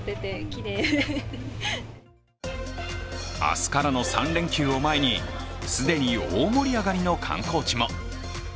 明日からの３連休を前に既に大盛り上がりの観光地も。